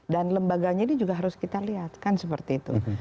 dan lembaganya ini juga harus kita lihat kan seperti itu